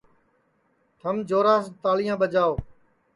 تھم جوراس تاݪیاں ٻاجاو